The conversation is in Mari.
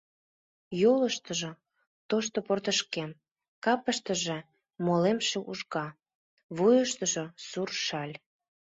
Йолыштыжо — тошто портышкем, капыштыже — молемше ужга, вуйыштыжо — сур шаль.